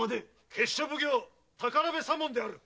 ・闕所奉行・財部左門である！